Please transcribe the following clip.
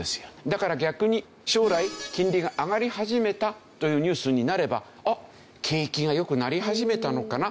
だから逆に将来金利が上がり始めたというニュースになればあっ景気が良くなり始めたのかな